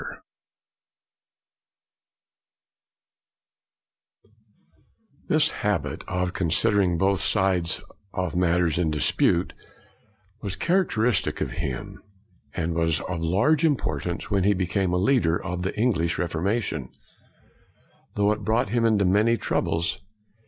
Fliccius in the National Portrait Gallery CRANMER 75 This habit of considering both sides of matters in dispute was characteristic of him, and was of large importance when he became a leader of the English Refor mation; though it brought him into many troubles.